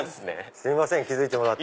すいません気付いてもらって。